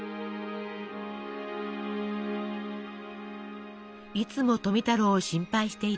いつも富太郎を心配していた壽衛。